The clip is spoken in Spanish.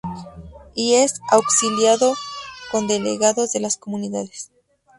Y es auxiliado con Delegados de las comunidades.